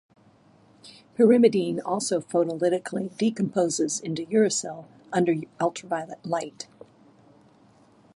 Pyrimidine also photolytically decomposes into uracil under ultraviolet light.